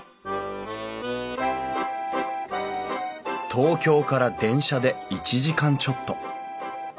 東京から電車で１時間ちょっと。